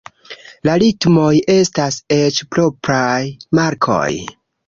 La ritmoj estas eĉ propraj markoj.